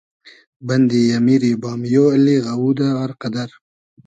بئندی امیری بامیۉ اللی غئوودۂ ، آر قئدئر